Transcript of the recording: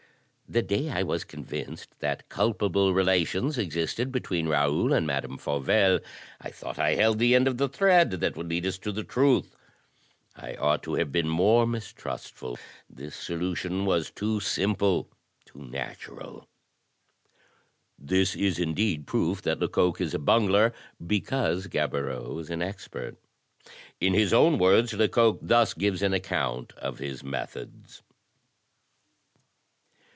The day I was convinced that culpable relations existed between Raoul and Madame Fauvel, I thought I held the end of the thread that would lead us to the truth. I ought to have been more mistrustful; this solution was too simple, too natural." This is indeed proof that Lecoq is a bungler because Gaboriau is an expert. In his own words Lecoq thus gives an account of his methods.